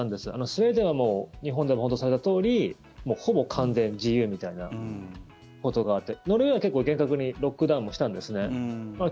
スウェーデンは日本でも報道されたとおりほぼ完全自由みたいなことがあってノルウェーは結構、厳格にロックダウンもしたんですね。